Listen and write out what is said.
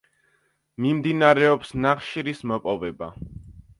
მიმდინარეობს ნახშირის მოპოვება.